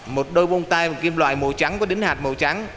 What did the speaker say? một đôi bông tay bằng kim loại màu trắng có đính hạt màu trắng